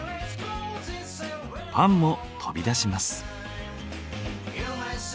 パンも飛び出します。